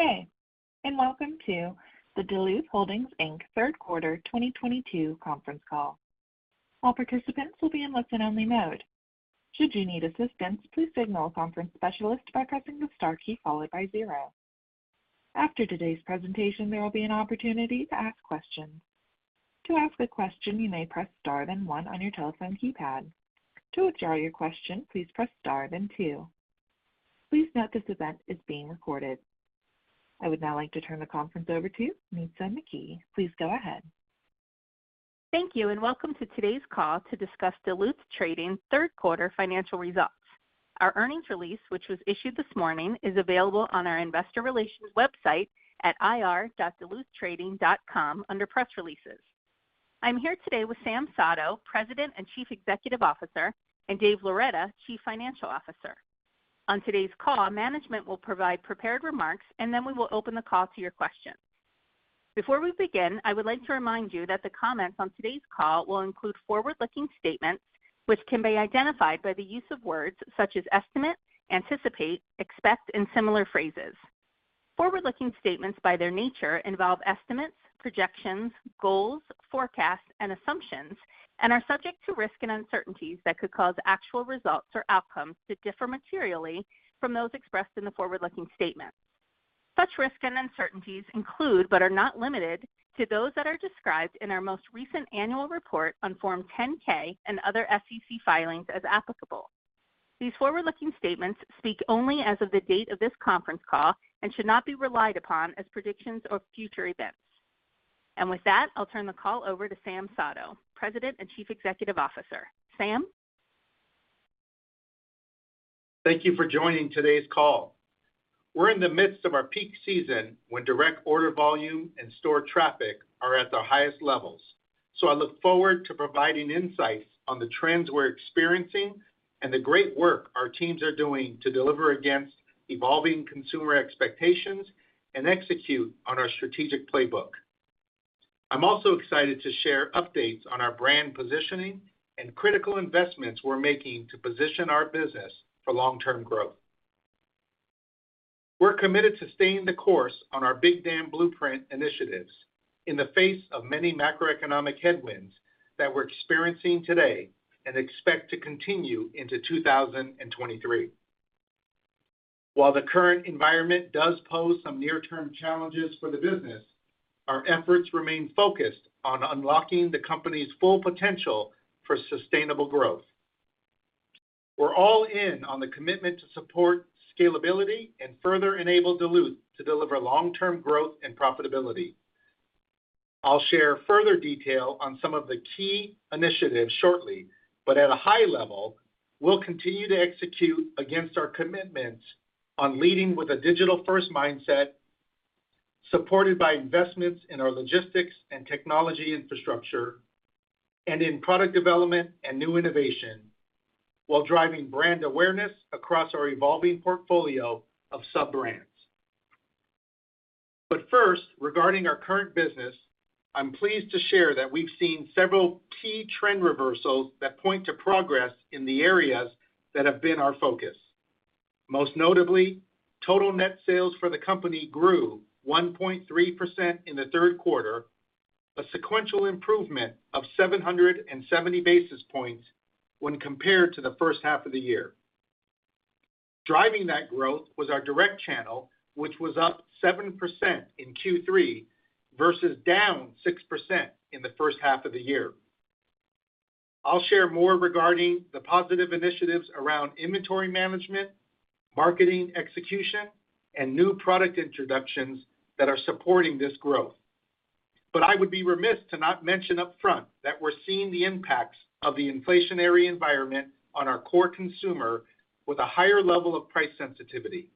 Good day, and welcome to the Duluth Holdings Inc. Third Quarter 2022 Conference Call. All participants will be in listen-only mode. Should you need assistance, please signal a conference specialist by pressing the star key followed by zero. After today's presentation, there will be an opportunity to ask questions. To ask a question, you may press star, then one on your telephone keypad. To withdraw your question, please press star, then two. Please note this event is being recorded. I would now like to turn the conference over to Nitza McKee. Please go ahead. Thank you. Welcome to today's call to discuss Duluth Trading’s Third Quarter Financial Results. Our earnings release, which was issued this morning, is available on our investor relations website at ir.duluthtrading.com under Press Releases. I'm here today with Sam Sato, President and Chief Executive Officer, and Dave Loretta, Chief Financial Officer. On today's call, management will provide prepared remarks, and then we will open the call to your questions. Before we begin, I would like to remind you that the comments on today's call will include forward-looking statements, which can be identified by the use of words such as estimate, anticipate, expect, and similar phrases. Forward-looking statements, by their nature, involve estimates, projections, goals, forecasts, and assumptions, and are subject to risks and uncertainties that could cause actual results or outcomes to differ materially from those expressed in the forward-looking statements. Such risks and uncertainties include, but are not limited to, those that are described in our most recent annual report on Form 10-K and other SEC filings as applicable. These forward-looking statements speak only as of the date of this conference call and should not be relied upon as predictions of future events. With that, I'll turn the call over to Sam Sato, President and Chief Executive Officer. Sam. Thank you for joining today's call. We're in the midst of our peak season when direct order volume and store traffic are at their highest levels. I look forward to providing insights on the trends we're experiencing and the great work our teams are doing to deliver against evolving consumer expectations and execute on our strategic playbook. I'm also excited to share updates on our brand positioning and critical investments we're making to position our business for long-term growth. We're committed to staying the course on our Big Dam Blueprint initiatives in the face of many macroeconomic headwinds that we're experiencing today and expect to continue into 2023. While the current environment does pose some near-term challenges for the business, our efforts remain focused on unlocking the company's full potential for sustainable growth. We're all in on the commitment to support scalability and further enable Duluth to deliver long-term growth and profitability. I'll share further detail on some of the key initiatives shortly, but at a high level, we'll continue to execute against our commitments on leading with a digital-first mindset, supported by investments in our logistics and technology infrastructure and in product development and new innovation while driving brand awareness across our evolving portfolio of sub-brands. First, regarding our current business, I'm pleased to share that we've seen several key trend reversals that point to progress in the areas that have been our focus. Most notably, total net sales for the company grew 1.3% in the third quarter, a sequential improvement of 770 basis points when compared to the first half of the year. Driving that growth was our direct channel, which was up 7% in Q3 versus down 6% in the first half of the year. I'll share more regarding the positive initiatives around inventory management, marketing execution, and new product introductions that are supporting this growth. I would be remiss to not mention upfront that we're seeing the impacts of the inflationary environment on our core consumer with a higher level of price sensitivity.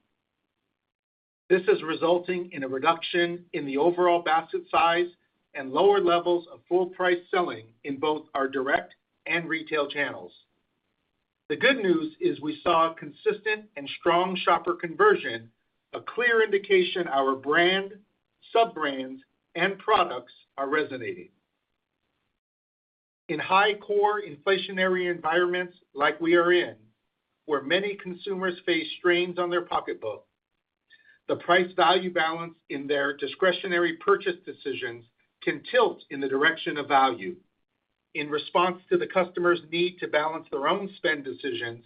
This is resulting in a reduction in the overall basket size and lower levels of full price selling in both our direct and retail channels. The good news is we saw consistent and strong shopper conversion, a clear indication our brand, sub-brands, and products are resonating. In high core inflationary environments like we are in, where many consumers face strains on their pocketbook, the price-value balance in their discretionary purchase decisions can tilt in the direction of value. In response to the customer's need to balance their own spend decisions,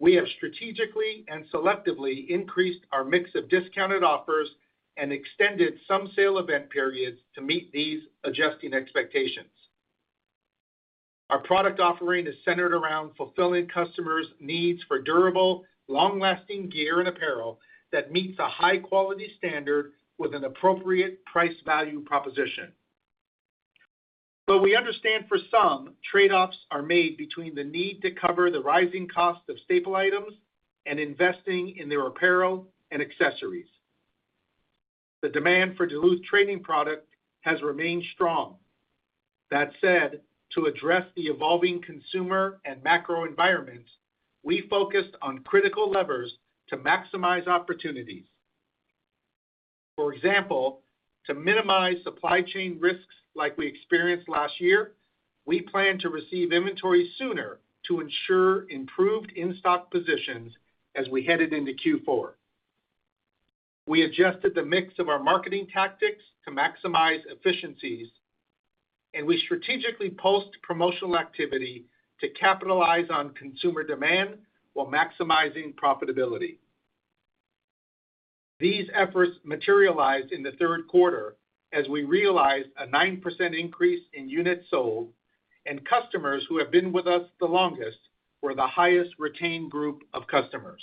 we have strategically and selectively increased our mix of discounted offers and extended some sale event periods to meet these adjusting expectations. Our product offering is centered around fulfilling customers' needs for durable, long-lasting gear and apparel that meets a high-quality standard with an appropriate price-value proposition. We understand for some, trade-offs are made between the need to cover the rising cost of staple items and investing in their apparel and accessories. The demand for Duluth Trading product has remained strong. That said, to address the evolving consumer and macro environment, we focused on critical levers to maximize opportunities. For example, to minimize supply chain risks like we experienced last year. We plan to receive inventory sooner to ensure improved in-stock positions as we headed into Q4. We adjusted the mix of our marketing tactics to maximize efficiencies. We strategically post promotional activity to capitalize on consumer demand while maximizing profitability. These efforts materialized in the third quarter as we realized a 9% increase in units sold. Customers who have been with us the longest were the highest retained group of customers.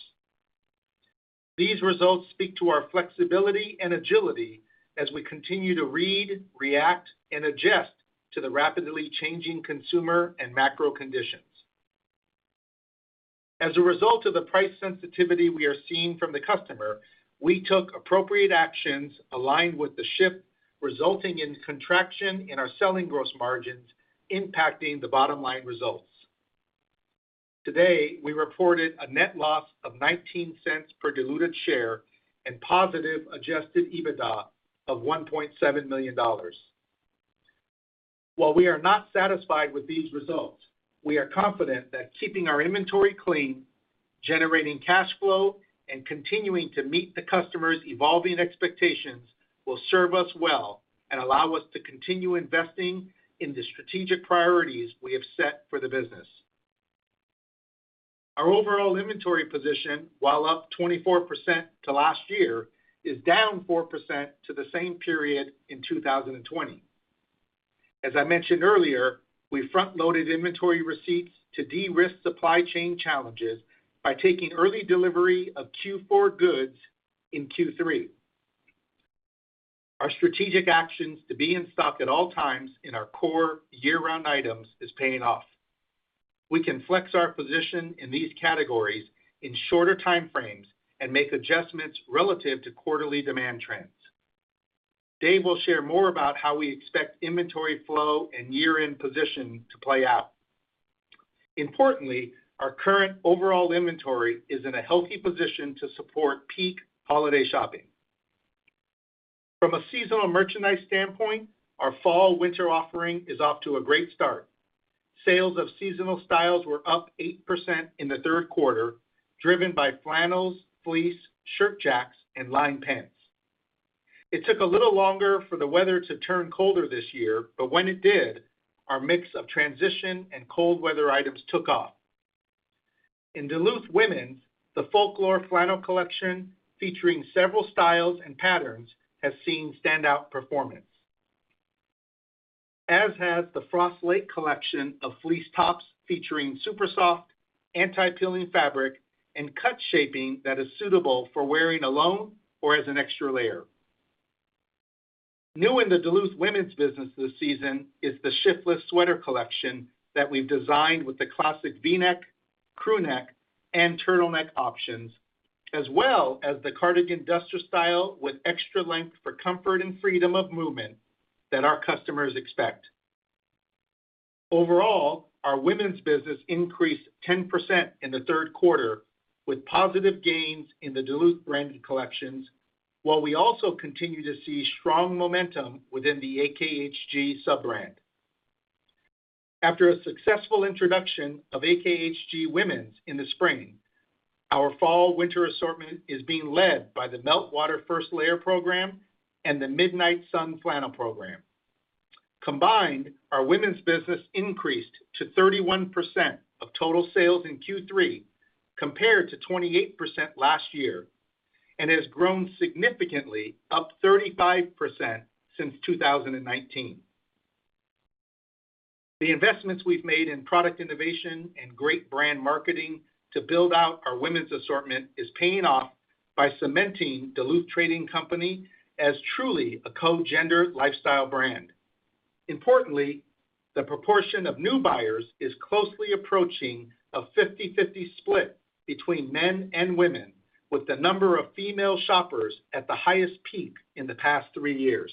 These results speak to our flexibility and agility as we continue to read, react, and adjust to the rapidly changing consumer and macro conditions. As a result of the price sensitivity we are seeing from the customer, we took appropriate actions aligned with the shift, resulting in contraction in our selling gross margins impacting the bottom line results. Today, we reported a net loss of $0.19 per diluted share and positive adjusted EBITDA of $1.7 million. While we are not satisfied with these results, we are confident that keeping our inventory clean, generating cash flow, and continuing to meet the customers' evolving expectations will serve us well and allow us to continue investing in the strategic priorities we have set for the business. Our overall inventory position, while up 24% to last year, is down 4% to the same period in 2020. As I mentioned earlier, we front-loaded inventory receipts to de-risk supply chain challenges by taking early delivery of Q4 goods in Q3. Our strategic actions to be in stock at all times in our core year-round items is paying off. We can flex our position in these categories in shorter time frames and make adjustments relative to quarterly demand trends. Dave will share more about how we expect inventory flow and year-end position to play out. Importantly, our current overall inventory is in a healthy position to support peak holiday shopping. From a seasonal merchandise standpoint, our fall winter offering is off to a great start. Sales of seasonal styles were up 8% in the third quarter, driven by flannels, fleece, shirt jacks, and lined pants. It took a little longer for the weather to turn colder this year, but when it did, our mix of transition and cold weather items took off. In Duluth Women, the Folklore Flannel collection, featuring several styles and patterns, has seen standout performance. As has the Frost Lake collection of fleece tops featuring super soft, anti-pilling fabric and cut shaping that is suitable for wearing alone or as an extra layer. New in the Duluth Women's business this season is the Shiftless Sweater Collection that we've designed with the classic V-neck, crew neck, and turtleneck options, as well as the cardigan duster style with extra length for comfort and freedom of movement that our customers expect. Overall, our women's business increased 10% in the third quarter with positive gains in the Duluth branded collections, while we also continue to see strong momentum within the AKHG sub-brand. After a successful introduction of AKHG Women's in the spring, our fall winter assortment is being led by the Meltwater First Layer program and the Midnight Sun Flannel program. Combined, our women's business increased to 31% of total sales in Q3 compared to 28% last year and has grown significantly, up 35% since 2019. The investments we've made in product innovation and great brand marketing to build out our women's assortment is paying off by cementing Duluth Trading Company as truly a co-gender lifestyle brand. Importantly, the proportion of new buyers is closely approaching a 50/50 split between men and women, with the number of female shoppers at the highest peak in the past three years.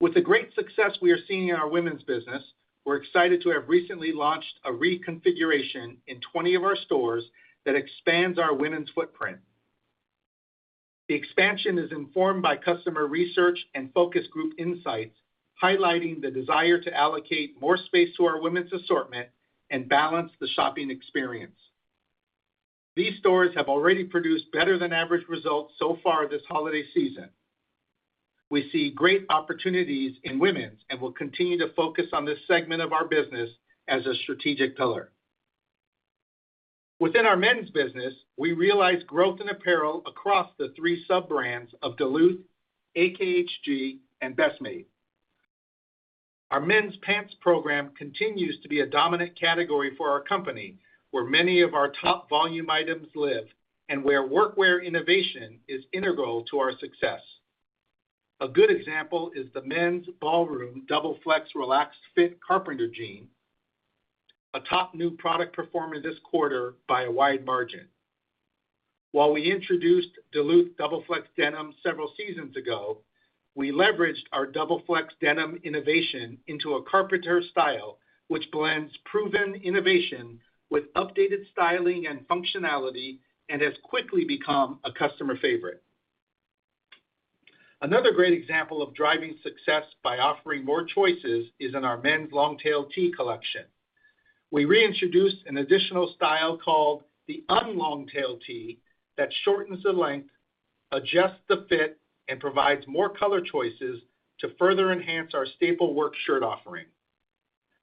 With the great success we are seeing in our women's business, we're excited to have recently launched a reconfiguration in 20 of our stores that expands our women's footprint. The expansion is informed by customer research and focus group insights, highlighting the desire to allocate more space to our women's assortment and balance the shopping experience. These stores have already produced better than average results so far this holiday season. We see great opportunities in women's and will continue to focus on this segment of our business as a strategic pillar. Within our men's business, we realize growth in apparel across the three sub-brands of Duluth, AKHG, and Best Made. Our men's pants program continues to be a dominant category for our company, where many of our top volume items live, and where workwear innovation is integral to our success. A good example is the men's Ballroom Double Flex Relaxed Fit Carpenter Jean, a top new product performer this quarter by a wide margin. While we introduced Duluth Double Flex Denim several seasons ago, we leveraged our Double Flex Denim innovation into a carpenter style, which blends proven innovation with updated styling and functionality and has quickly become a customer favorite. Another great example of driving success by offering more choices is in our men's Longtail T collection. We reintroduced an additional style called the Un-Longtail T, that shortens the length, adjusts the fit, and provides more color choices to further enhance our staple work shirt offering.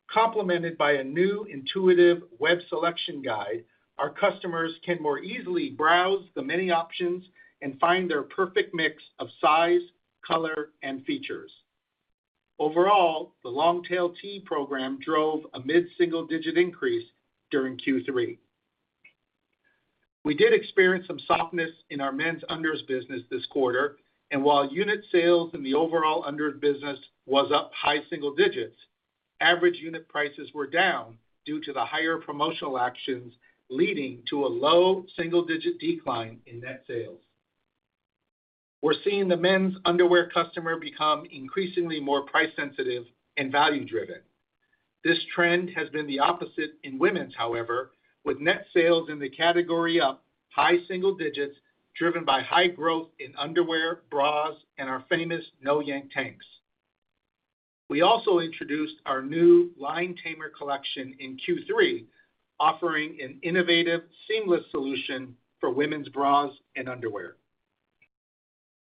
Complemented by a new intuitive web selection guide, our customers can more easily browse the many options and find their perfect mix of size, color, and features. Overall, the Longtail T program drove a mid-single digit increase during Q3. We did experience some softness in our men's unders business this quarter, while unit sales in the overall unders business was up high single digits, average unit prices were down due to the higher promotional actions leading to a low single-digit decline in net sales. We're seeing the men's underwear customer become increasingly more price sensitive and value driven. This trend has been the opposite in Women’s, however, with net sales in the category up high single digits driven by high growth in underwear, bras, and our famous No-Yank Tanks. We also introduced our new Line Tamer collection in Q3, offering an innovative, seamless solution for women's bras and underwear.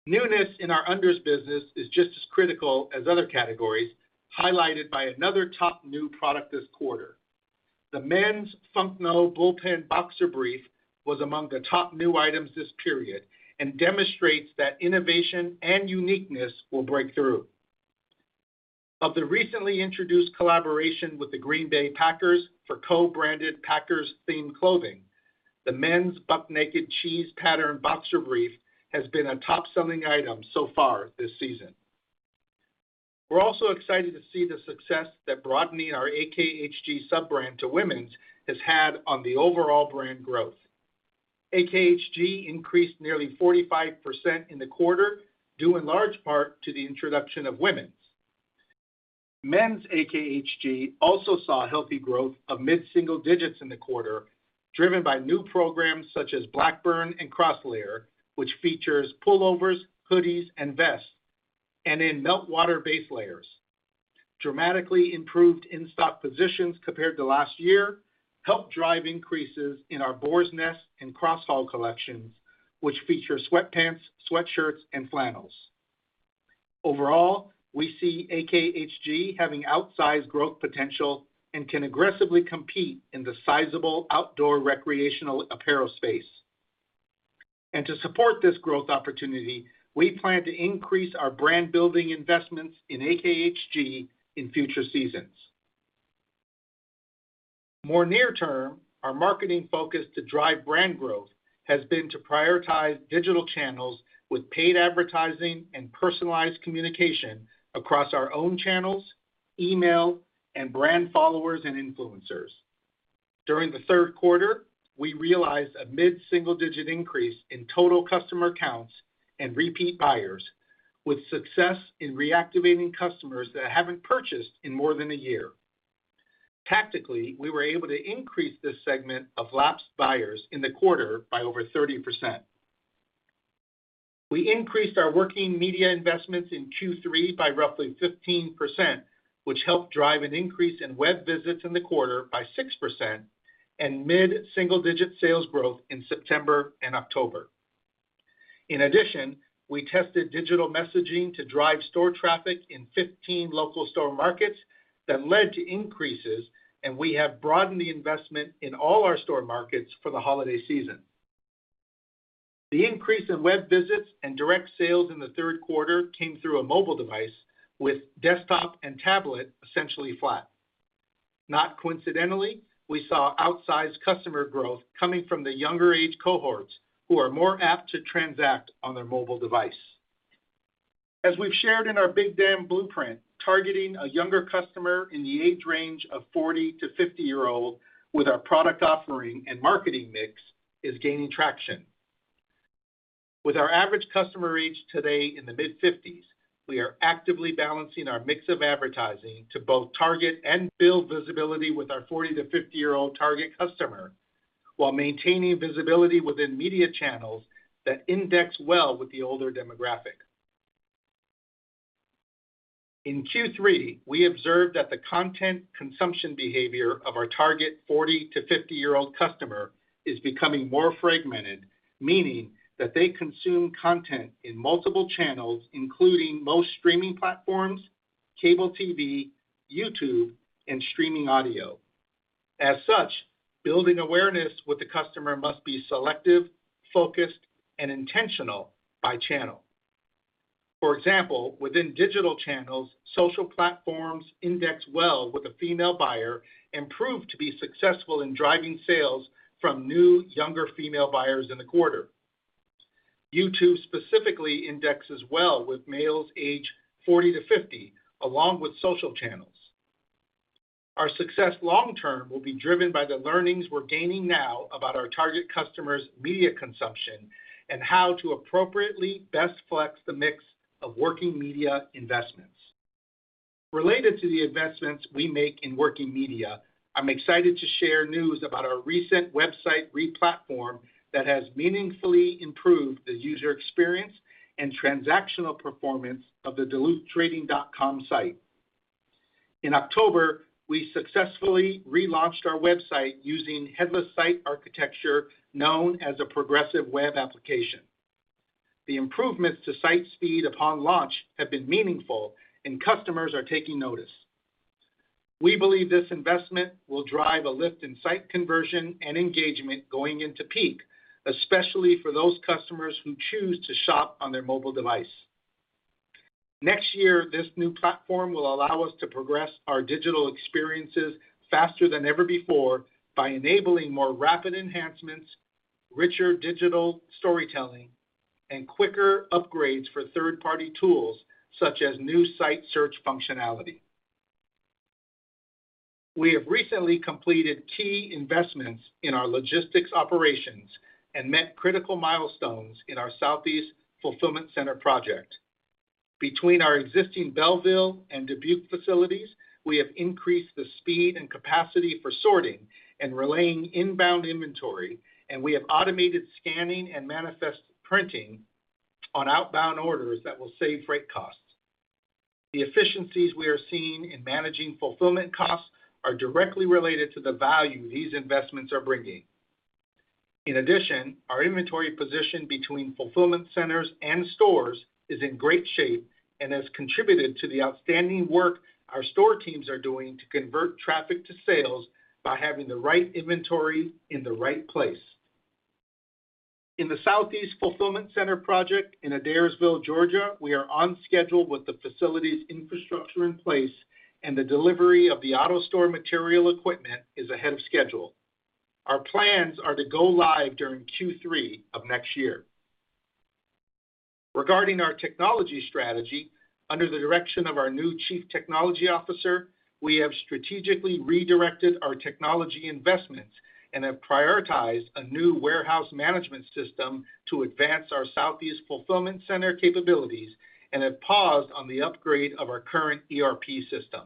Newness in our unders business is just as critical as other categories, highlighted by another top new product this quarter. The men's Funk No! Bullpen Boxer Brief was among the top new items this period and demonstrates that innovation and uniqueness will break through. Of the recently introduced collaboration with the Green Bay Packers for co-branded Packers themed clothing, the men's Buck Naked Cheese Pattern Boxer Brief has been a top selling item so far this season. We're also excited to see the success that broadening our AKHG sub-brand to Women’s has had on the overall brand growth. AKHG increased nearly 45% in the quarter, due in large part to the introduction of Women’s. Men's AKHG also saw healthy growth of mid-single digits in the quarter, driven by new programs such as Blackburn and Crosslayer, which features pullovers, hoodies, and vests, and in Meltwater base layers. Dramatically improved in-stock positions compared to last year helped drive increases in our Boar's Nest and Crosshaul collections, which feature sweatpants, sweatshirts, and flannels. Overall, we see AKHG having outsized growth potential and can aggressively compete in the sizable outdoor recreational apparel space. To support this growth opportunity, we plan to increase our brand building investments in AKHG in future seasons. More near term, our marketing focus to drive brand growth has been to prioritize digital channels with paid advertising and personalized communication across our own channels, email, and brand followers and influencers. During the third quarter, we realized a mid-single digit increase in total customer counts and repeat buyers with success in reactivating customers that haven't purchased in more than a year. Tactically, we were able to increase this segment of lapsed buyers in the quarter by over 30%. We increased our working media investments in Q3 by roughly 15%, which helped drive an increase in web visits in the quarter by 6% and mid-single digit sales growth in September and October. In addition, we tested digital messaging to drive store traffic in 15 local store markets that led to increases, and we have broadened the investment in all our store markets for the holiday season. The increase in web visits and direct sales in the third quarter came through a mobile device with desktop and tablet essentially flat. Not coincidentally, we saw outsized customer growth coming from the younger age cohorts who are more apt to transact on their mobile device. As we've shared in our Big Dam Blueprint, targeting a younger customer in the age range of 40–50 year-old with our product offering and marketing mix is gaining traction. With our average customer age today in the mid-50s, we are actively balancing our mix of advertising to both target and build visibility with our 40–50-year old target customer while maintaining visibility within media channels that index well with the older demographic. In Q3, we observed that the content consumption behavior of our target 40–50 year-old customer is becoming more fragmented, meaning that they consume content in multiple channels, including most streaming platforms, cable TV, YouTube, and streaming audio. As such, building awareness with the customer must be selective, focused, and intentional by channel. For example, within digital channels, social platforms index well with a female buyer and prove to be successful in driving sales from new younger female buyers in the quarter. YouTube specifically indexes well with males aged 40–50 along with social channels. Our success long term will be driven by the learnings we're gaining now about our target customers' media consumption and how to appropriately best flex the mix of working media investments. Related to the investments we make in working media, I'm excited to share news about our recent website replatform that has meaningfully improved the user experience and transactional performance of the duluthtrading.com site. In October, we successfully relaunched our website using headless site architecture known as a progressive web application. The improvements to site speed upon launch have been meaningful and customers are taking notice. We believe this investment will drive a lift in site conversion and engagement going into peak, especially for those customers who choose to shop on their mobile device. Next year, this new platform will allow us to progress our digital experiences faster than ever before by enabling more rapid enhancements, richer digital storytelling, and quicker upgrades for third-party tools, such as new site search functionality. We have recently completed key investments in our logistics operations and met critical milestones in our Southeast fulfillment center project. Between our existing Belleville and Dubuque facilities, we have increased the speed and capacity for sorting and relaying inbound inventory, and we have automated scanning and manifest printing on outbound orders that will save freight costs. The efficiencies we are seeing in managing fulfillment costs are directly related to the value these investments are bringing. Our inventory position between fulfillment centers and stores is in great shape and has contributed to the outstanding work our store teams are doing to convert traffic to sales by having the right inventory in the right place. In the Southeast fulfillment center project in Adairsville, Georgia, we are on schedule with the facilities infrastructure in place, and the delivery of the AutoStore material equipment is ahead of schedule Our plans are to go live during Q3 of next year. Regarding our technology strategy, under the direction of our new Chief Technology Officer, we have strategically redirected our technology investments and have prioritized a new warehouse management system to advance our Southeast fulfillment center capabilities and have paused on the upgrade of our current ERP system.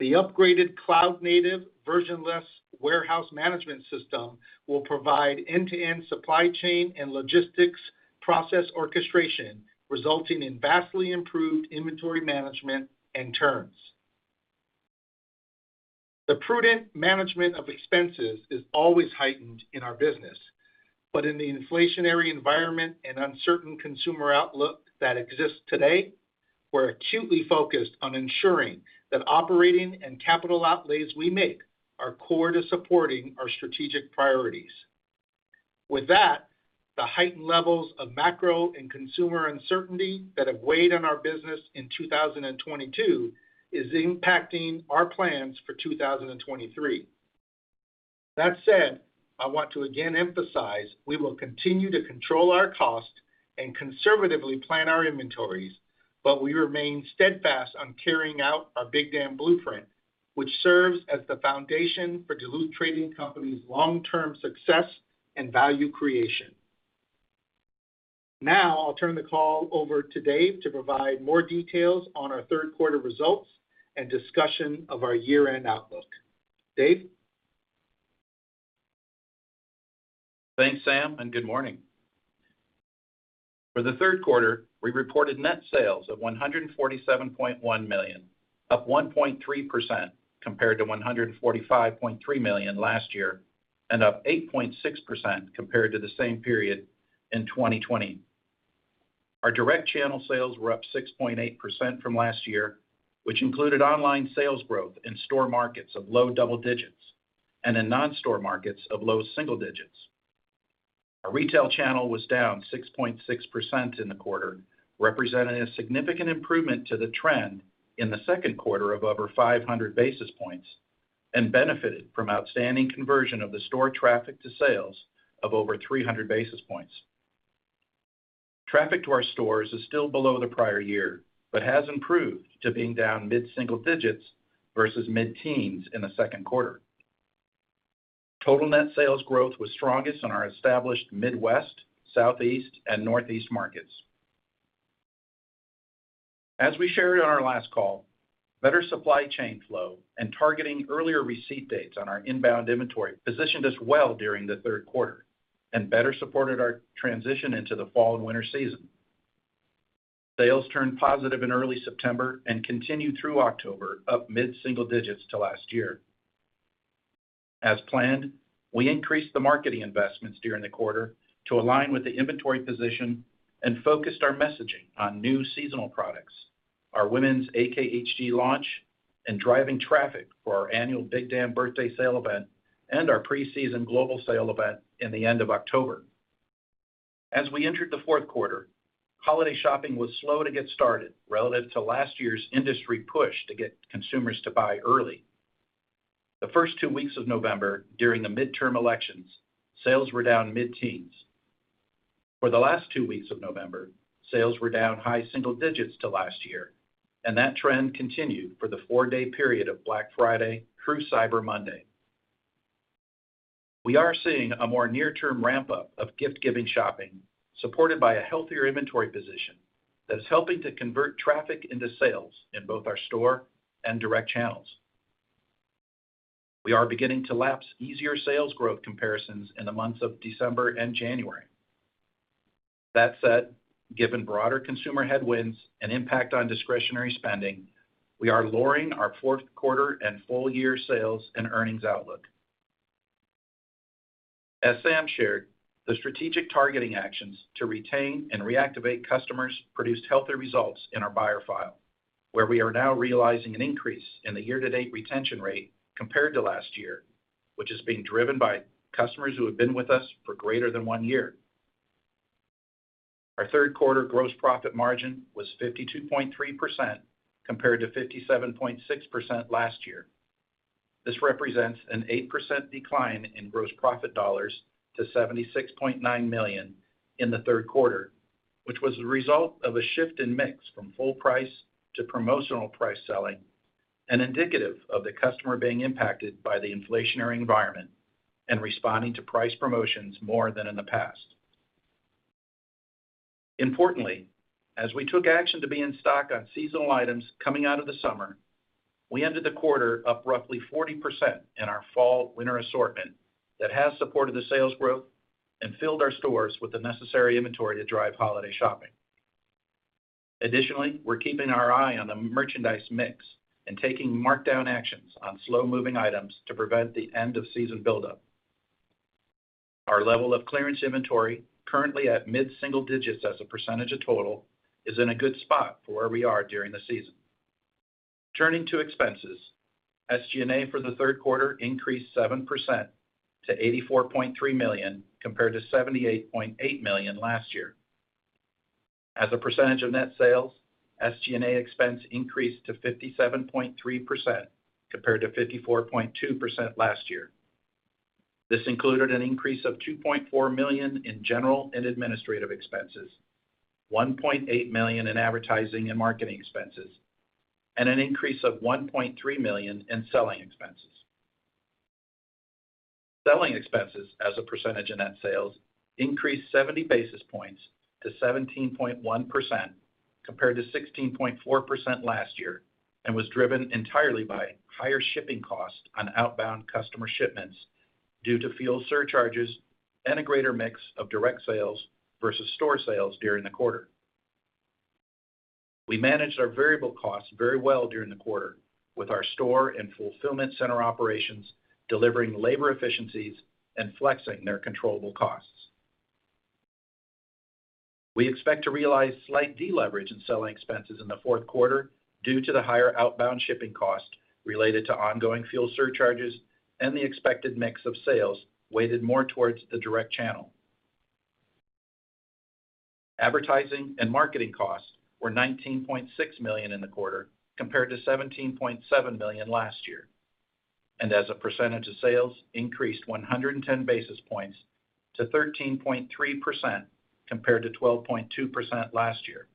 The upgraded cloud-native versionless warehouse management system will provide end-to-end supply chain and logistics process orchestration, resulting in vastly improved inventory management and turns. The prudent management of expenses is always heightened in our business. In the inflationary environment and uncertain consumer outlook that exists today, we're acutely focused on ensuring that operating and capital outlays we make are core to supporting our strategic priorities. With that, the heightened levels of macro and consumer uncertainty that have weighed on our business in 2022 is impacting our plans for 2023. That said, I want to again emphasize, we will continue to control our cost and conservatively plan our inventories, but we remain steadfast on carrying out our Big Dam Blueprint, which serves as the foundation for Duluth Trading Company's long-term success and value creation. Now, I'll turn the call over to Dave to provide more details on our third quarter results and discussion of our year-end outlook. Dave? Thanks, Sam. Good morning. For the third quarter, we reported net sales of $147.1 million, up 1.3% compared to $145.3 million last year, and up 8.6% compared to the same period in 2020. Our direct channel sales were up 6.8% from last year, which included online sales growth in store markets of low double digits and in non-store markets of low single digits. Our retail channel was down 6.6% in the quarter, representing a significant improvement to the trend in the second quarter of over 500 basis points and benefited from outstanding conversion of the store traffic to sales of over 300 basis points. Traffic to our stores is still below the prior year, but has improved to being down mid-single digits versus mid-teens in the second quarter. Total net sales growth was strongest in our established Midwest, Southeast, and Northeast markets. As we shared on our last call, better supply chain flow and targeting earlier receipt dates on our inbound inventory positioned us well during the third quarter and better supported our transition into the fall and winter season. Sales turned positive in early September and continued through October of mid-single digits to last year. As planned, I increased the marketing investments during the quarter to align with the inventory position and focused our messaging on new seasonal products, our Women’s AKHG launch, and driving traffic for our annual Big Dam Birthday Sale event and our pre-season Global Sale event in the end of October. As we entered the fourth quarter, holiday shopping was slow to get started relative to last year's industry push to get consumers to buy early. The first two weeks of November, during the midterm elections, sales were down mid-teens. For the last two weeks of November, sales were down high single digits to last year, and that trend continued for the four-day period of Black Friday through Cyber Monday. We are seeing a more near-term ramp-up of gift-giving shopping, supported by a healthier inventory position that is helping to convert traffic into sales in both our store and direct channels. We are beginning to lapse easier sales growth comparisons in the months of December and January. That said, given broader consumer headwinds and impact on discretionary spending, we are lowering our fourth quarter and full-year sales and earnings outlook. As Sam shared, the strategic targeting actions to retain and reactivate customers produced healthier results in our buyer file, where we are now realizing an increase in the year-to-date retention rate compared to last year, which is being driven by customers who have been with us for greater than one year. Our third quarter gross profit margin was 52.3% compared to 57.6% last year. This represents an 8% decline in gross profit dollars to $76.9 million in the third quarter, which was the result of a shift in mix from full price to promotional price selling and indicative of the customer being impacted by the inflationary environment and responding to price promotions more than in the past. Importantly, as we took action to be in stock on seasonal items coming out of the summer, we ended the quarter up roughly 40% in our fall/winter assortment that has supported the sales growth and filled our stores with the necessary inventory to drive holiday shopping. We're keeping our eye on the merchandise mix and taking markdown actions on slow-moving items to prevent the end-of-season buildup. Our level of clearance inventory, currently at mid-single digits as a percentage of total, is in a good spot for where we are during the season. Turning to expenses, SG&A for the third quarter increased 7% to $84.3 million compared to $78.8 million last year. As a percentage of net sales, SG&A expense increased to 57.3% compared to 54.2% last year. This included an increase of $2.4 million in general and administrative expenses, $1.8 million in advertising and marketing expenses, and an increase of $1.3 million in selling expenses. Selling expenses as a percentage of net sales increased 70 basis points to 17.1% compared to 16.4% last year and was driven entirely by higher shipping costs on outbound customer shipments due to fuel surcharges and a greater mix of direct sales versus store sales during the quarter. We managed our variable costs very well during the quarter with our store and fulfillment center operations delivering labor efficiencies and flexing their controllable costs. We expect to realize slight deleverage in selling expenses in the fourth quarter due to the higher outbound shipping cost related to ongoing fuel surcharges and the expected mix of sales weighted more towards the direct channel. Advertising and marketing costs were $19.6 million in the quarter compared to $17.7 million last year, as a percentage of sales increased 110 basis points to 13.3% compared to 12.2% last year.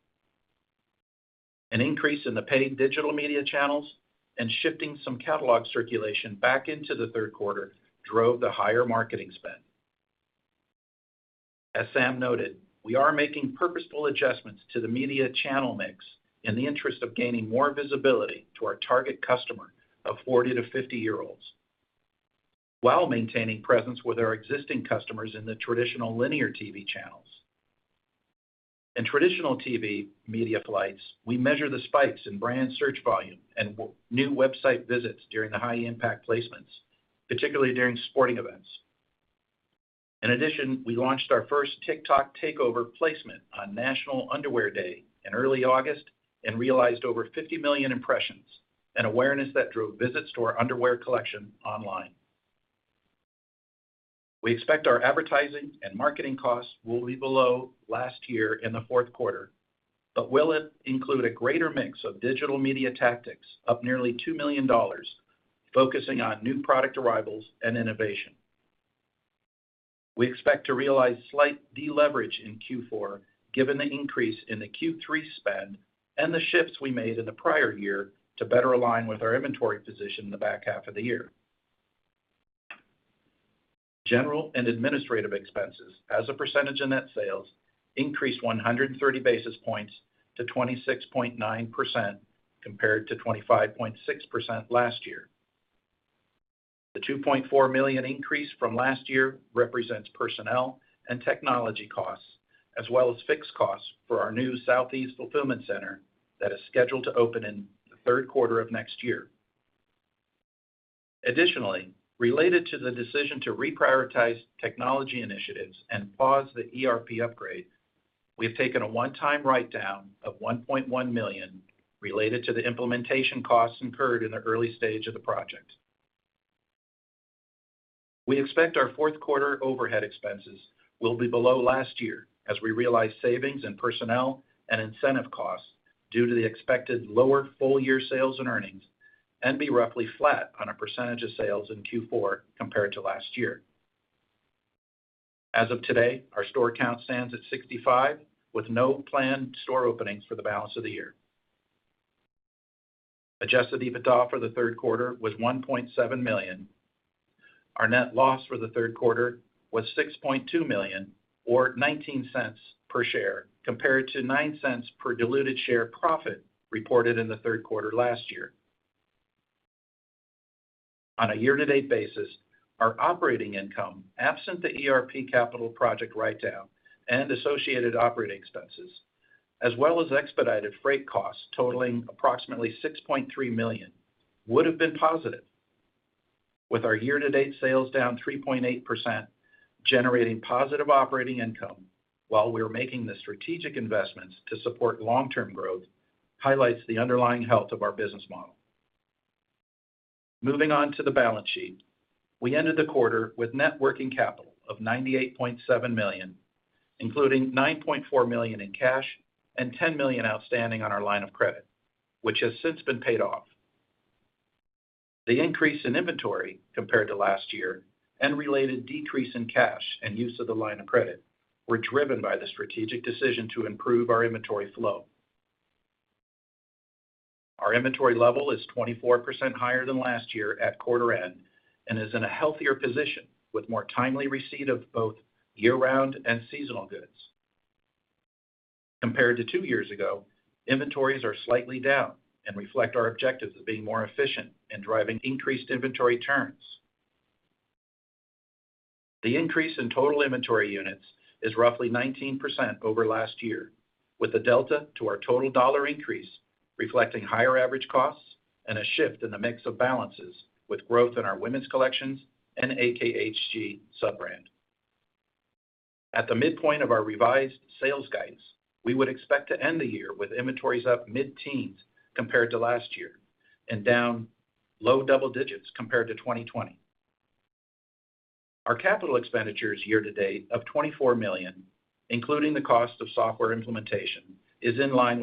An increase in the paid digital media channels and shifting some catalog circulation back into the third quarter drove the higher marketing spend. As Sam noted, we are making purposeful adjustments to the media channel mix in the interest of gaining more visibility to our target customer of 40–50 year-olds while maintaining presence with our existing customers in the traditional linear TV channels. In traditional TV media flights, we measure the spikes in brand search volume and new website visits during the high impact placements, particularly during sporting events. We launched our first TikTok takeover placement on National Underwear Day in early August and realized over 50 million impressions, an awareness that drove visits to our underwear collection online. We expect our advertising and marketing costs will be below last year in the fourth quarter, will include a greater mix of digital media tactics, up nearly $2 million, focusing on new product arrivals and innovation. We expect to realize slight deleverage in Q4, given the increase in the Q3 spend and the shifts we made in the prior year to better align with our inventory position in the back half of the year. General and administrative expenses as a percentage of net sales increased 130 basis points to 26.9% compared to 25.6% last year. The $2.4 million increase from last year represents personnel and technology costs as well as fixed costs for our new Southeast fulfillment center that is scheduled to open in the third quarter of next year. Related to the decision to reprioritize technology initiatives and pause the ERP upgrade, we have taken a one-time write-down of $1.1 million related to the implementation costs incurred in the early stage of the project. We expect our fourth quarter overhead expenses will be below last year as we realize savings in personnel and incentive costs due to the expected lower full-year sales and earnings and be roughly flat on a percentage of sales in Q4 compared to last year. As of today, our store count stands at 65 with no planned store openings for the balance of the year. Adjusted EBITDA for the third quarter was $1.7 million. Our net loss for the third quarter was $6.2 million or $0.19 per share compared to $0.09 per diluted share profit reported in the third quarter last year. On a year-to-date basis, our operating income, absent the ERP capital project write-down and associated operating expenses, as well as expedited freight costs totaling approximately $6.3 million, would have been positive. With our year-to-date sales down 3.8%, generating positive operating income while we are making the strategic investments to support long-term growth highlights the underlying health of our business model. Moving on to the balance sheet. We ended the quarter with net working capital of $98.7 million, including $9.4 million in cash and $10 million outstanding on our line of credit, which has since been paid off. The increase in inventory compared to last year and related decrease in cash and use of the line of credit were driven by the strategic decision to improve our inventory flow. Our inventory level is 24% higher than last year at quarter-end and is in a healthier position with more timely receipt of both year-round and seasonal goods. Compared to two years ago, inventories are slightly down and reflect our objectives of being more efficient and driving increased inventory turns. The increase in total inventory units is roughly 19% over last year, with the delta to our total dollar increase reflecting higher average costs and a shift in the mix of balances with growth in our Women’s collections and AKHG sub-brand. At the midpoint of our revised sales guidance, we would expect to end the year with inventories up mid-teens compared to last year and down low double digits compared to 2020. Our capital expenditures year to date of $24 million, including the cost of software implementation, is in line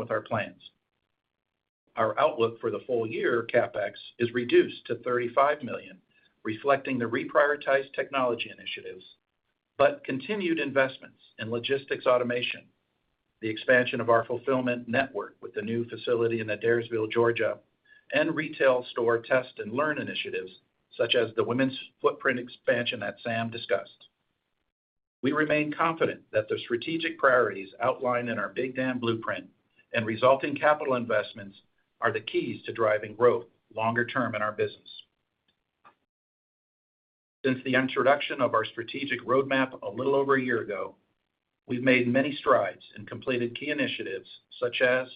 with our plans. Our outlook for the full year CapEx is reduced to $35 million, reflecting the reprioritized technology initiatives, continued investments in logistics automation, the expansion of our fulfillment network with the new facility in Adairsville, Georgia, and retail store test and learn initiatives such as the women's footprint expansion that Sam discussed. We remain confident that the strategic priorities outlined in our Big Dam Blueprint and resulting capital investments are the keys to driving growth longer term in our business. Since the introduction of our strategic roadmap a little over a year ago, we've made many strides and completed key initiatives such as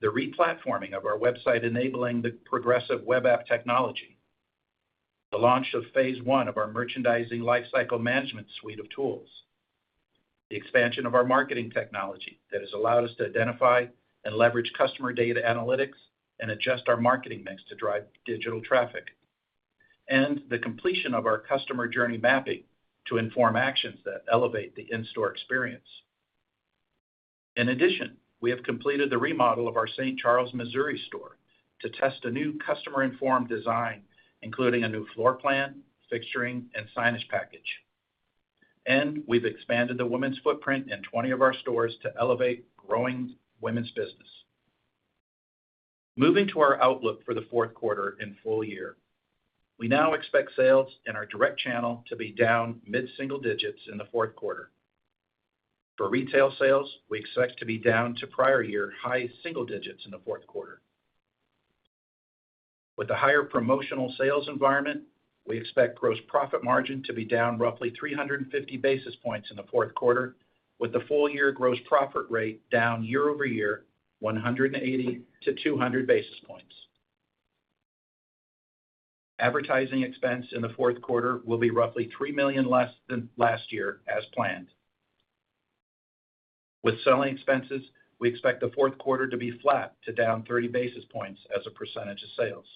the re-platforming of our website enabling the progressive web app technology, the launch of Phase 1 of our merchandising lifecycle management suite of tools, the expansion of our marketing technology that has allowed us to identify and leverage customer data analytics and adjust our marketing mix to drive digital traffic, and the completion of our customer journey mapping to inform actions that elevate the in-store experience. In addition, we have completed the remodel of our St. Charles, Missouri store to test a new customer-informed design, including a new floor plan, fixturing, and signage package. We've expanded the Women’s footprint in 20 of our stores to elevate growing Women’s business. Moving to our outlook for the fourth quarter and full year. We now expect sales in our direct channel to be down mid-single digits in the fourth quarter. For retail sales, we expect to be down to prior year high single digits in the fourth quarter. With a higher promotional sales environment, we expect gross profit margin to be down roughly 350 basis points in the fourth quarter, with the full-year gross profit rate down year-over-year 180–200 basis points. Advertising expense in the fourth quarter will be roughly $3 million less than last year as planned. With selling expenses, we expect the fourth quarter to be flat to down 30 basis points as a percentage of sales.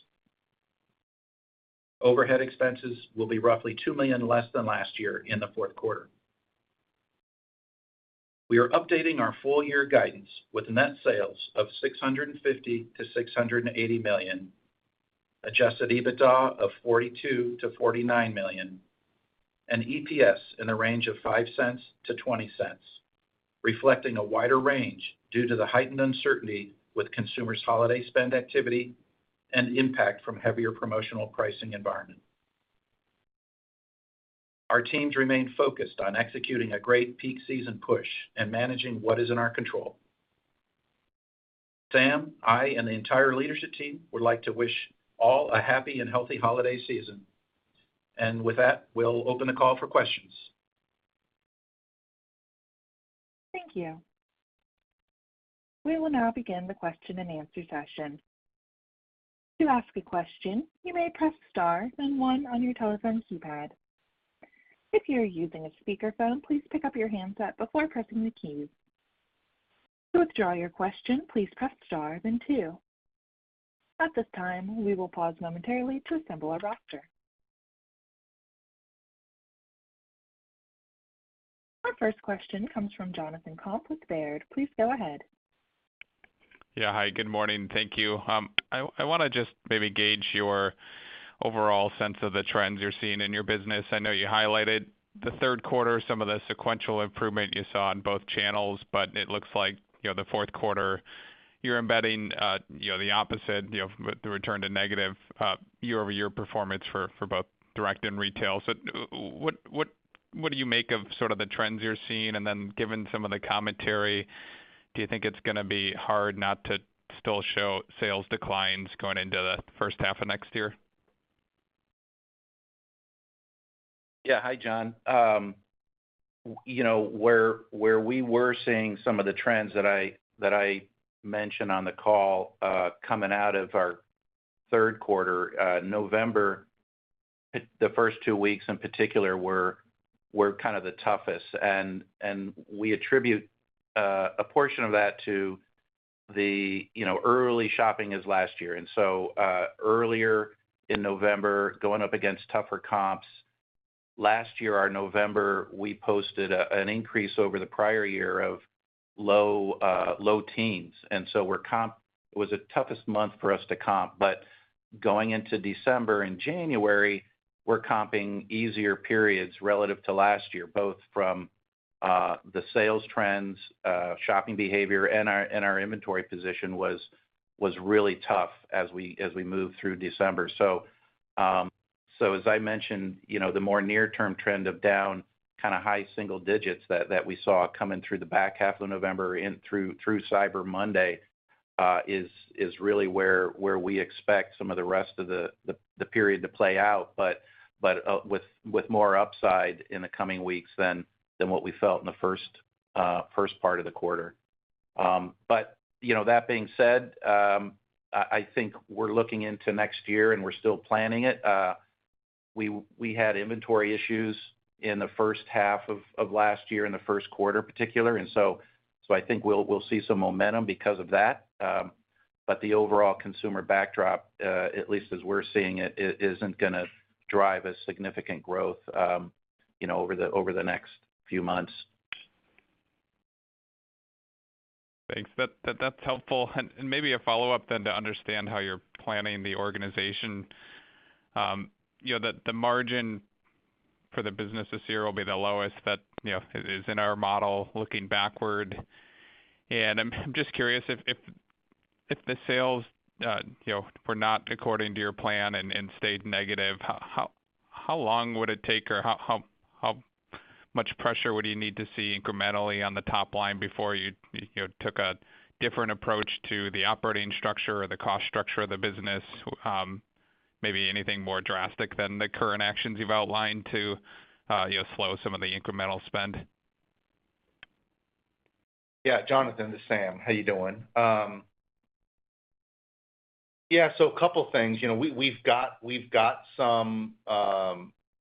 Overhead expenses will be roughly $2 million less than last year in the fourth quarter. We are updating our full-year guidance with net sales of $650 million-$680 million, adjusted EBITDA of $42 million-$49 million, and EPS in the range of $0.05-$0.20, reflecting a wider range due to the heightened uncertainty with consumers' holiday spend activity and impact from heavier promotional pricing environment. Our teams remain focused on executing a great peak season push and managing what is in our control. Sam, I, and the entire leadership team would like to wish all a happy and healthy holiday season. With that, we'll open the call for questions. Thank you. We will now begin the question-and-answer session. To ask a question, you may press star then one on your telephone keypad. If you are using a speakerphone, please pick up your handset before pressing the key. To withdraw your question, please press star then two. At this time, we will pause momentarily to assemble our roster. Our first question comes from Jonathan Komp with Baird. Please go ahead. Hi, good morning. Thank you. I wanna just maybe gauge your overall sense of the trends you're seeing in your business. I know you highlighted the third quarter, some of the sequential improvement you saw in both channels, but it looks like, you know, the fourth quarter you're embedding, you know, the opposite, you know, with the return to negative, year-over-year performance for both direct and retail. What do you make of sort of the trends you're seeing? Given some of the commentary, do you think it's gonna be hard not to still show sales declines going into the first half of next year? Yeah. Hi, Jon. you know, where we were seeing some of the trends that I mentioned on the call, coming out of our third quarter, November, the first two weeks in particular were kind of the toughest. We attribute a portion of that to the, you know, early shopping as last year. Earlier in November, going up against tougher comps. Last year, our November, we posted an increase over the prior year of low teens. Where comp was the toughest month for us to comp. Going into December and January, we're comping easier periods relative to last year, both from the sales trends, shopping behavior, and our inventory position was really tough as we moved through December. As I mentioned, you know, the more near-term trend of down kind of high single digits that we saw coming through the back half of November and through Cyber Monday, is really where we expect some of the rest of the period to play out, but with more upside in the coming weeks than what we felt in the first part of the quarter. You know, that being said, I think we're looking into next year, and we're still planning it. We had inventory issues in the first half of last year and the first quarter particular, and so I think we'll see some momentum because of that. The overall consumer backdrop, at least as we're seeing it, isn't gonna drive a significant growth, you know, over the next few months. Thanks. That's helpful. Maybe a follow-up then to understand how you're planning the organization. you know, the margin for the business this year will be the lowest that, you know, is in our model looking backward. I'm just curious, if the sales, you know, were not according to your plan and stayed negative, how long would it take or how much pressure would you need to see incrementally on the top line before you know, took a different approach to the operating structure or the cost structure of the business? Maybe anything more drastic than the current actions you've outlined to, you know, slow some of the incremental spend. Yeah. Jonathan, this is Sam. How do you doing? Yeah, so a couple things. You know, we've got, we've got some,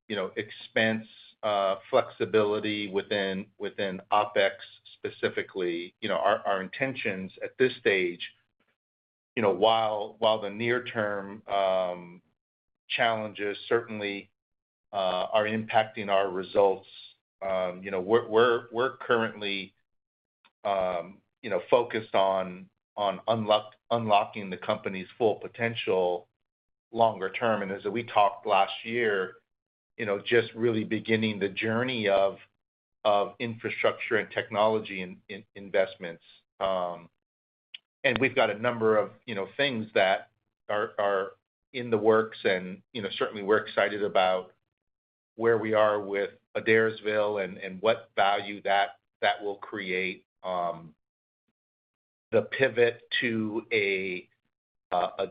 you know, expense, flexibility within OpEx specifically. You know, our intentions at this stage, you know, while the near-term, challenges certainly, are impacting our results, you know, we're currently, you know, focused on unlocking the company's full potential longer term. As we talked last year, you know, just really beginning the journey of infrastructure and technology in investments. We've got a number of, you know, things that are in the works and, you know, certainly we're excited about where we are with Adairsville and what value that will create. The pivot to a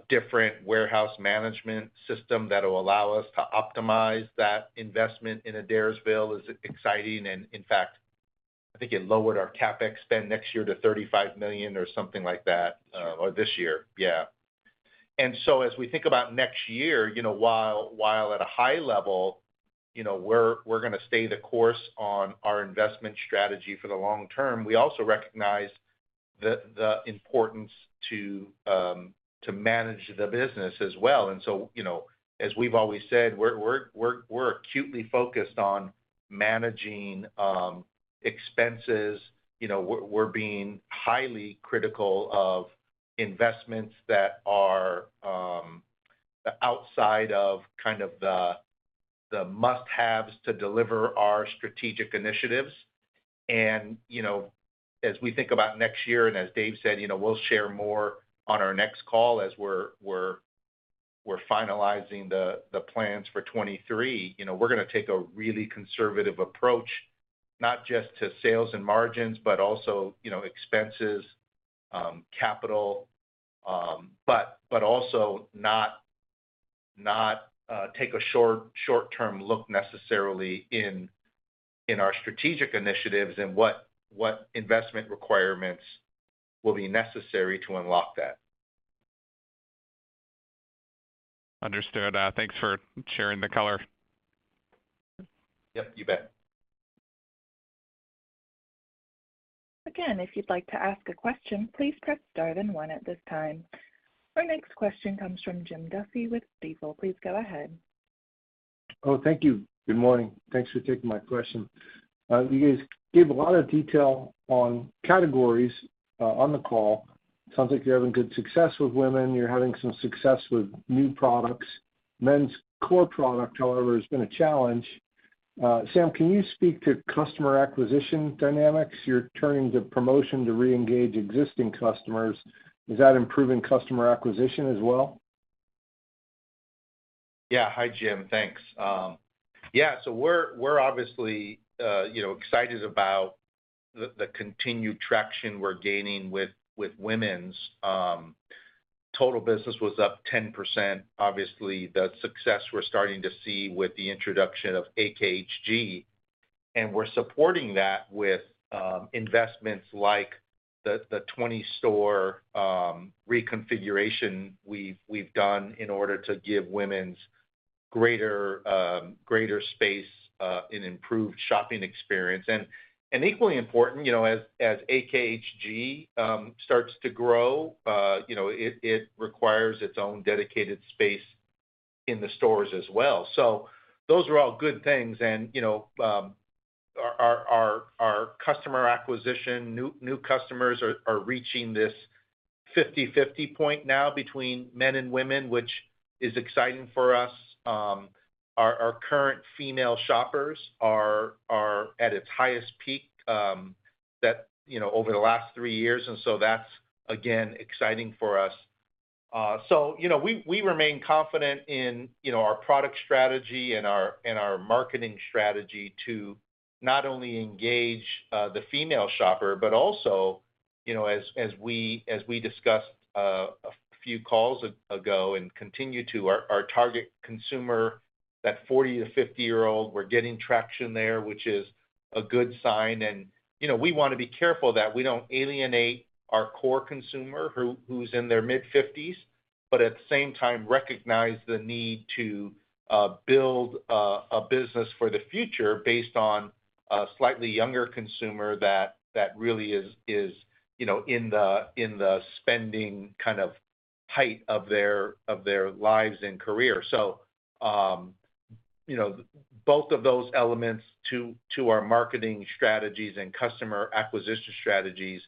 different warehouse management system that will allow us to optimize that investment in Adairsville is exciting and in fact, I think it lowered our CapEx spend next year to $35 million or something like that, or this year. Yeah. As we think about next year, you know, while at a high level, you know, we're gonna stay the course on our investment strategy for the long term. We also recognize the importance to manage the business as well. You know, as we've always said, we're acutely focused on managing expenses. You know, we're being highly critical of investments that are outside of kind of the must-haves to deliver our strategic initiatives. You know, as we think about next year and as Dave said, you know, we'll share more on our next call as we're finalizing the plans for 2023. You know, we're gonna take a really conservative approach, not just to sales and margins, but also, you know, expenses, capital, but also not take a short-term look necessarily in our strategic initiatives and what investment requirements will be necessary to unlock that. Understood. Thanks for sharing the color. Yep, you bet. If you'd like to ask a question, please press star then one at this time. Our next question comes from Jim Duffy with Stifel. Please go ahead. Oh, thank you. Good morning. Thanks for taking my question. You guys gave a lot of detail on categories on the call. Sounds like you're having good success with Women’s. You're having some success with new products. Men's core product, however, has been a challenge. Sam, can you speak to customer acquisition dynamics? You're turning to promotion to reengage existing customers. Is that improving customer acquisition as well? Hi, Jim. Thanks. We're obviously, you know, excited about the continued traction we're gaining with Women’s, total business was up 10%. Obviously, the success we're starting to see with the introduction of AKHG, we're supporting that with investments like the 20-store reconfiguration we've done in order to give Women’s greater space and improved shopping experience. Equally important, you know, as AKHG starts to grow, you know, it requires its own dedicated space in the stores as well. Those are all good things, and, you know, our customer acquisition, new customers are reaching this 50/50 point now between Men’s and Women’s, which is exciting for us. Our current female shoppers are at its highest peak, that, you know, over the last three years, and so that's again exciting for us. you know, we remain confident in, you know, our product strategy and our marketing strategy to not only engage the female shopper but also, you know, as we discussed a few calls ago and continue to, our target consumer, that 40–50 year-old, we're getting traction there, which is a good sign. We wanna be careful that we don't alienate our core consumer who's in their mid-50s, but at the same time recognize the need to build a business for the future based on a slightly younger consumer that really is, you know, in the spending kind of height of their lives and career. You know, both of those elements to our marketing strategies and customer acquisition strategies,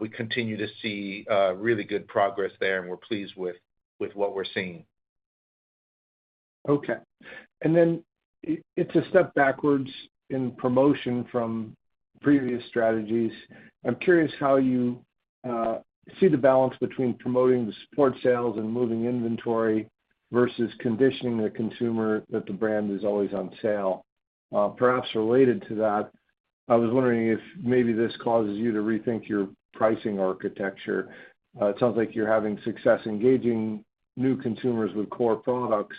we continue to see really good progress there, and we're pleased with what we're seeing. Okay. It's a step backwards in promotion from previous strategies. I'm curious how you see the balance between promoting the sport sales and moving inventory versus conditioning the consumer that the brand is always on sale. Perhaps related to that, I was wondering if maybe this causes you to rethink your pricing architecture. It sounds like you're having success engaging new consumers with core products.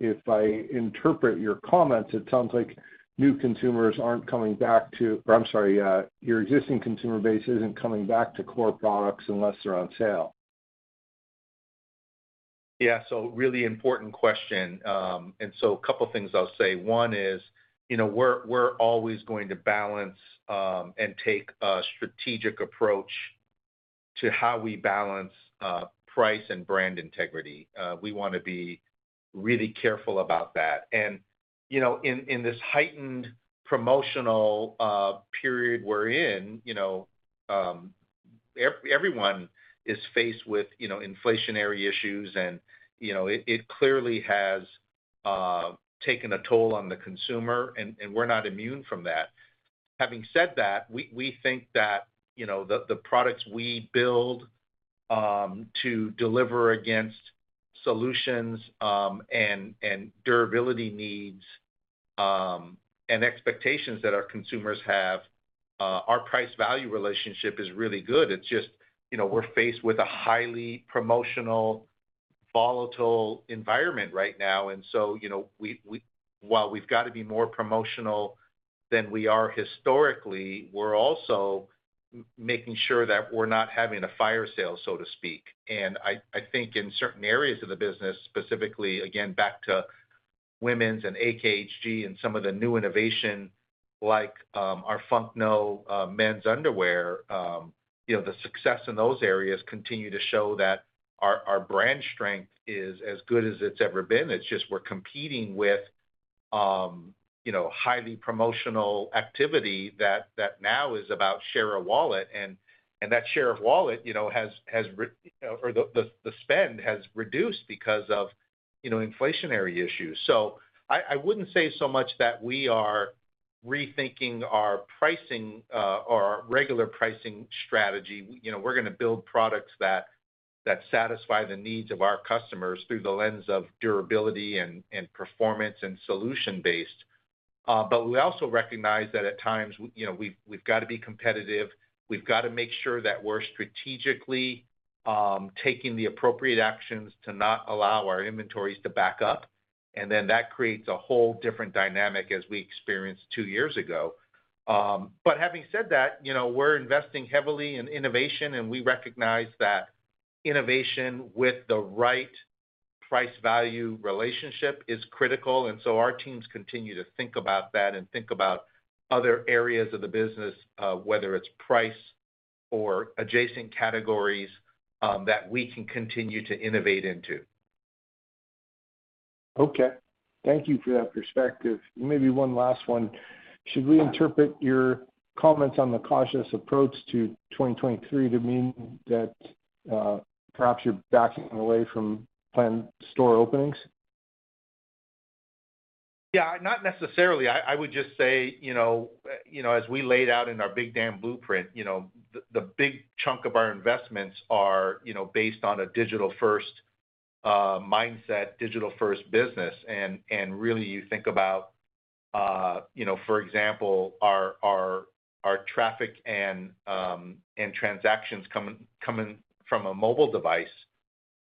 If I interpret your comments, it sounds like new consumers aren't coming back to, or I'm sorry, your existing consumer base isn't coming back to core products unless they're on sale. Yeah. Really important question. A couple things I'll say. One is, you know, we're always going to balance and take a strategic approach to how we balance price and brand integrity. We wanna be really careful about that. In this heightened promotional period we're in, you know, everyone is faced with, you know, inflationary issues and, you know, it clearly has taken a toll on the consumer, and we're not immune from that. Having said that, we think that, you know, the products we build to deliver against solutions and durability needs and expectations that our consumers have, our price-value relationship is really good. It's just, you know, we're faced with a highly promotional, volatile environment right now. You know, we while we've got to be more promotional than we are historically, we're also making sure that we're not having a fire sale, so to speak. I think in certain areas of the business, specifically again back to Women’s and AKHG and some of the new innovation, like our Funk No! Men’s underwear, you know, the success in those areas continue to show that our brand strength is as good as it's ever been. It's just we're competing with, you know, highly promotional activity that now is about share of wallet, and that share of wallet, you know, has or the spend has reduced because of, you know, inflationary issues. I wouldn't say so much that we are rethinking our pricing or our regular pricing strategy. You know, we're gonna build products that satisfy the needs of our customers through the lens of durability and performance and solution-based. We also recognize that at times, you know, we've got to be competitive. We've got to make sure that we're strategically taking the appropriate actions to not allow our inventories to back up. That creates a whole different dynamic as we experienced two years ago. Having said that, you know, we're investing heavily in innovation. We recognize that innovation with the right price-value relationship is critical. Our teams continue to think about that and think about other areas of the business, whether it's price or adjacent categories, that we can continue to innovate into. Okay. Thank you for that perspective. Maybe one last one. Should we interpret your comments on the cautious approach to 2023 to mean that perhaps you're backing away from planned store openings? Yeah, not necessarily. I would just say, you know, as we laid out in our Big Dam Blueprint, you know, the big chunk of our investments are, you know, based on a digital first mindset, digital first business. Really you think about, you know, for example, our traffic and transactions coming from a mobile device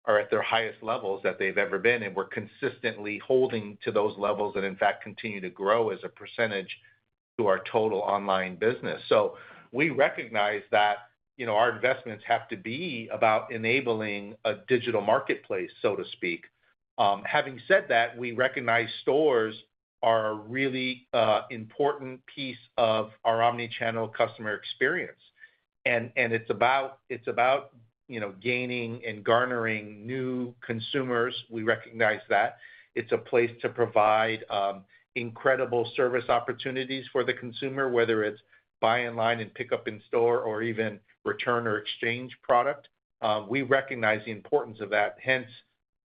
are at their highest levels that they've ever been, and we're consistently holding to those levels, and in fact, continue to grow as a percentage to our total online business. We recognize that, you know, our investments have to be about enabling a digital marketplace, so to speak. Having said that, we recognize stores are a really important piece of our omni-channel customer experience. It's about, you know, gaining and garnering new consumers. We recognize that. It's a place to provide incredible service opportunities for the consumer, whether it's buy online and pick up in store or even return or exchange product. We recognize the importance of that.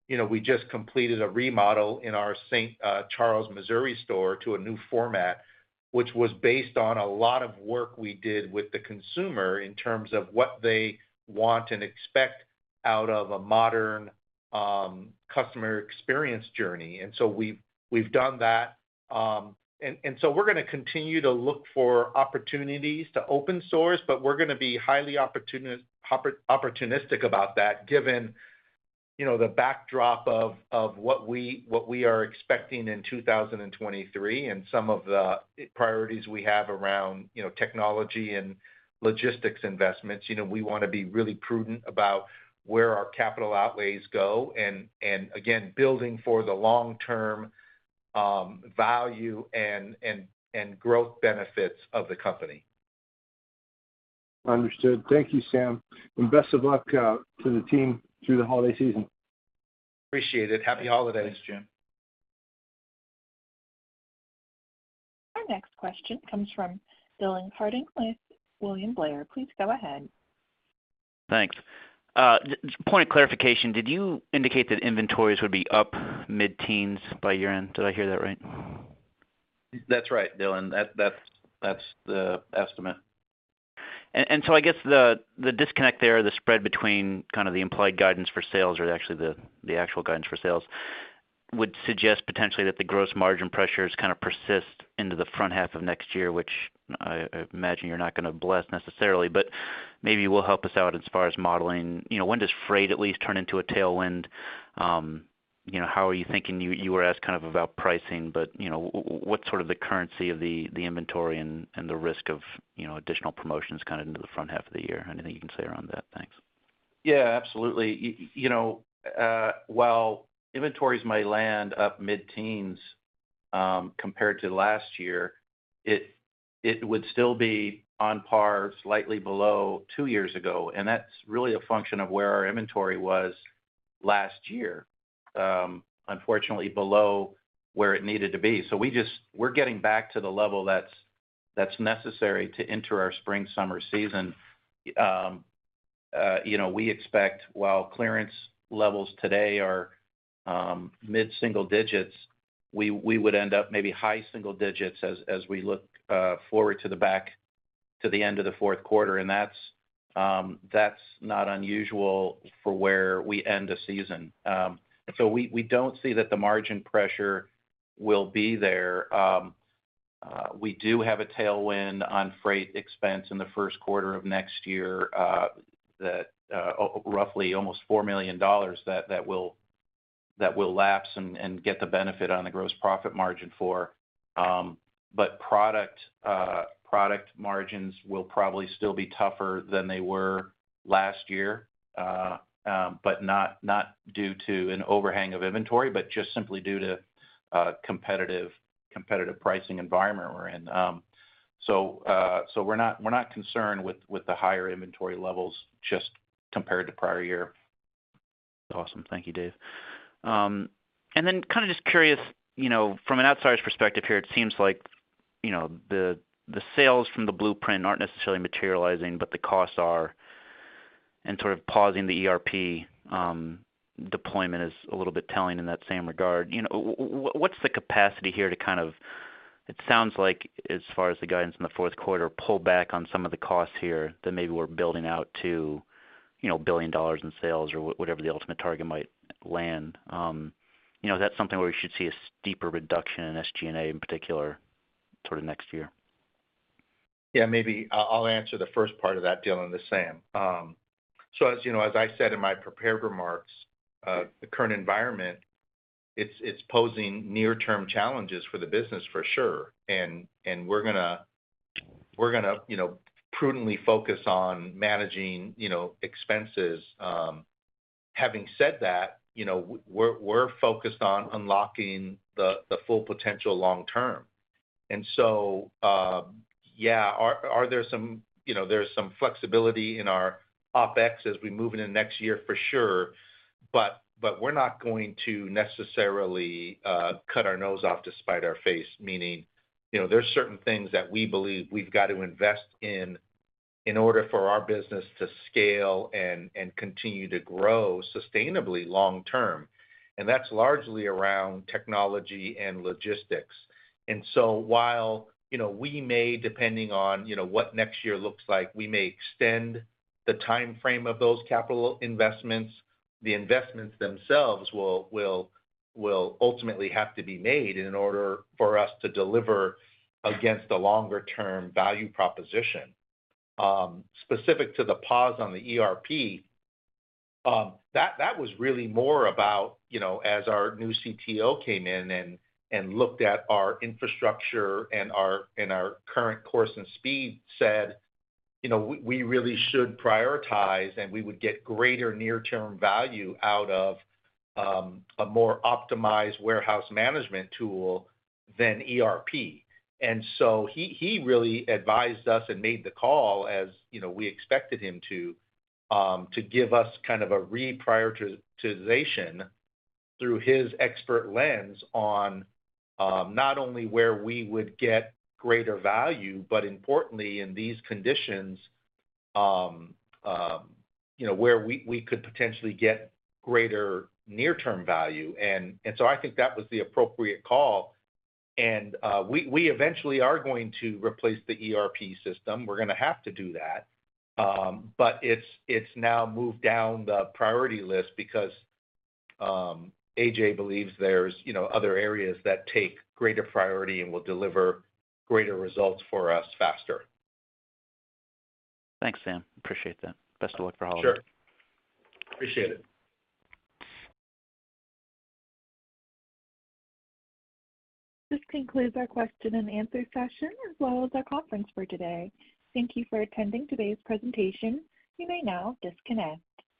You know, we just completed a remodel in our St. Charles, Missouri store to a new format, which was based on a lot of work we did with the consumer in terms of what they want and expect out of a modern customer experience journey. We've done that. We're gonna continue to look for opportunities to open stores, but we're gonna be highly opportunistic about that given, you know, the backdrop of what we, what we are expecting in 2023 and some of the priorities we have around, you know, technology and logistics investments. You know, we wanna be really prudent about where our capital outlays go and again, building for the long-term value and, and growth benefits of the company. Understood. Thank you, Sam. Best of luck to the team through the holiday season. Appreciate it. Happy holidays, Jim. Our next question comes from Dylan Carden with William Blair. Please go ahead. Thanks. Point of clarification, did you indicate that inventories would be up mid-teens by year-end? Did I hear that right? That's right, Dylan. That's the estimate. So I guess the disconnect there, the spread between kind of the implied guidance for sales or actually the actual guidance for sales would suggest potentially that the gross margin pressures kind of persist into the front half of next year, which I imagine you're not gonna bless necessarily. Maybe will help us out as far as modeling, you know, when does freight at least turn into a tailwind? You know, how are you thinking? You were asked kind of about pricing, but, you know, what's sort of the currency of the inventory and the risk of, you know, additional promotions kind of into the front half of the year? Anything you can say around that? Thanks. Yeah, absolutely. You know, while inventories may land up mid-teens, compared to last year, it would still be on par, slightly below two years ago. That's really a function of where our inventory was last year, unfortunately below where it needed to be. We're getting back to the level that's necessary to enter our spring, summer season. You know, we expect while clearance levels today are mid-single digits, we would end up maybe high single digits as we look forward to the end of the fourth quarter. That's not unusual for where we end a season. We don't see that the margin pressure will be there. We do have a tailwind on freight expense in the first quarter of next year, that roughly almost $4 million that will lapse and get the benefit on the gross profit margin for. Product margins will probably still be tougher than they were last year, but not due to an overhang of inventory, but just simply due to competitive pricing environment we're in. We're not concerned with the higher inventory levels just compared to prior year. Awesome. Thank you, Dave. Kind of just curious, you know, from an outsider's perspective here, it seems like, you know, the sales from the blueprint aren't necessarily materializing, but the costs are, and sort of pausing the ERP deployment is a little bit telling in that same regard. You know, what's the capacity here. It sounds like as far as the guidance in the fourth quarter, pull back on some of the costs here that maybe we're building out to, you know, $1 billion in sales or whatever the ultimate target might land. You know, that's something where we should see a steeper reduction in SG&A in particular sort of next year. Yeah. Maybe I'll answer the first part of that, Dylan, the same. As you know, as I said in my prepared remarks, the current environment, it's posing near-term challenges for the business for sure. We're gonna, you know, prudently focus on managing, you know, expenses. Having said that, you know, we're focused on unlocking the full potential long term. Yeah, you know, there's some flexibility in our OpEx as we move into next year for sure. We're not going to necessarily cut our nose off to spite our face, meaning, you know, there are certain things that we believe we've got to invest in in order for our business to scale and continue to grow sustainably long term. That's largely around technology and logistics. While, you know, we may, depending on, you know, what next year looks like, we may extend the timeframe of those capital investments, the investments themselves will ultimately have to be made in order for us to deliver against the longer-term value proposition. Specific to the pause on the ERP, that was really more about, you know, as our new CTO came in and looked at our infrastructure and our current course and speed said, you know, we really should prioritize, and we would get greater near-term value out of a more optimized warehouse management tool than ERP. He really advised us and made the call as, you know, we expected him to give us kind of a prioritization through his expert lens on not only where we would get greater value, but importantly, in these conditions, you know, where we could potentially get greater near-term value. I think that was the appropriate call. We eventually are going to replace the ERP system. We're gonna have to do that. It's now moved down the priority list because AJ believes there's, you know, other areas that take greater priority and will deliver greater results for us faster. Thanks, Sam. Appreciate that. Best of luck for holidays. Sure. Appreciate it. This concludes our question and answer session as well as our conference for today. Thank you for attending today's presentation. You may now disconnect.